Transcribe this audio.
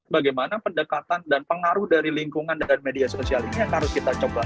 bagaimana pendekatan dan pengaruh dari lingkungan dengan media sosial ini yang harus kita coba